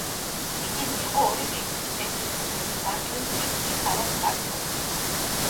ისინი იყო ორი ტიპის: ექვსი სოფელის კანტონი და შვიდი ქალაქ კანტონი.